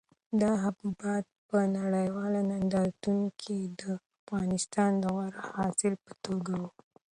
دا حبوبات په نړیوالو نندارتونونو کې د افغانستان د غوره حاصل په توګه وو.